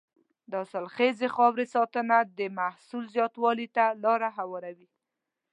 د حاصلخیزې خاورې ساتنه د محصول زیاتوالي ته لاره هواروي.